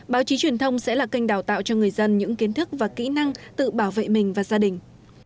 báo chí truyền thông sẽ là kênh đào tạo cho người dân những kiến thức và kỹ năng tự bảo vệ mình và gia đình